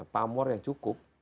pamor yang cukup